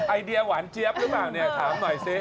ไอเดียหวานเจี๊ยบหรือเปล่าเนี่ยถามหน่อยสิ